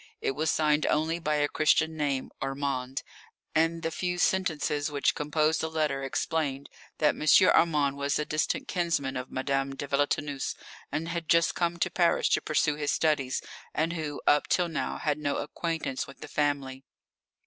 It was signed only by a Christian name, "Armand," and the few sentences which composed the letter explained that M. Armand was a distant kinsman of Madame de Villetaneuse who had just come to Paris to pursue his studies, and who, up till now, had no acquaintance with the family.